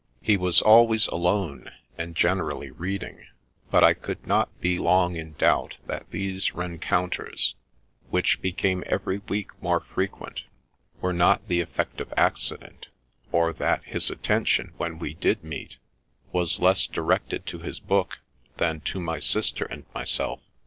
He was always alone, and generally reading ; but I could not be long in doubt that these rencounters, which became every week more frequent, were not the effect of accident, or that his attention, when we did meet, was less directed to his book than to my sister and myself.